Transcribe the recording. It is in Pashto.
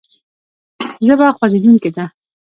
ژبه خوځېدونکې ده.